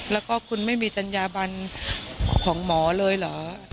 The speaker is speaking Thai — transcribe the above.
แล้วก็คุณไม่มีจัญญาบันของหมอเลยเหรอ